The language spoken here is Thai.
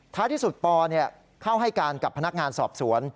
ที่สุดปอเข้าให้การกับพนักงานสอบสวน